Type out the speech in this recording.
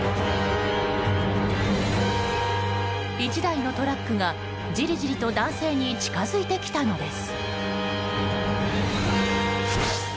１台のトラックがじりじりと男性に近づいてきたのです。